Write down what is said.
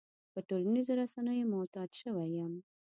په ټولنيزو رسنيو معتاد شوی يم.